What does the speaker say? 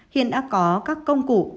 hiện đã có các công cụ